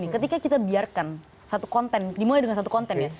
ketika kita biarkan satu konten dimulai dengan satu konten ya